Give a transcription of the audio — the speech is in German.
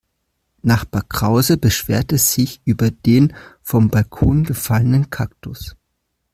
Nachbar Krause beschwerte sich über den vom Balkon gefallenen Kaktus.